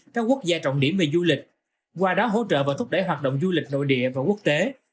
các quốc gia trọng điểm về du lịch qua đó hỗ trợ và thúc đẩy hoạt động du lịch nội địa và quốc tế